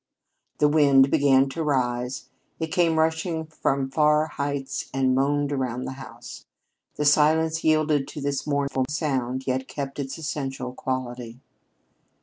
The wind began to rise. It came rushing from far heights and moaned around the house. The silence yielded to this mournful sound, yet kept its essential quality.